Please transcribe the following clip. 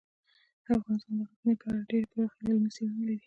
افغانستان د غزني په اړه ډیرې پراخې او علمي څېړنې لري.